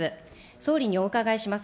総理にお伺いします。